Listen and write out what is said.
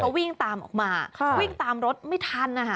เขาวิ่งตามออกมาวิ่งตามรถไม่ทันนะคะ